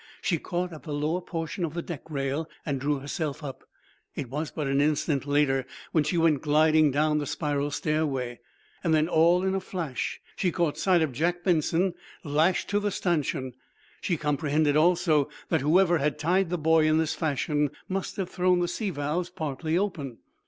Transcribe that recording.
She caught at the lower portion of the deck rail and drew herself up. It was but an instant later when she went gliding down the spiral stairway. Then, all in a flash, she caught sight of Jack Benson, lashed to the stanchion. She comprehended, also, that whoever had tied the boy in this fashion must have thrown the sea valves partly open.